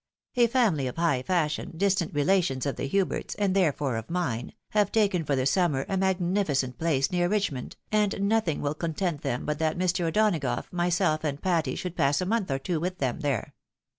A family of high fashion, distant relations of the Huberts, and therefore of mine, have taken for the summer a magnificent place near Kiohmond, and nothing wiU content them but that Mr. O'Donagough, myself, and Patty should pass a month or two with them there.